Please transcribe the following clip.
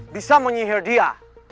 bisa menyiher dia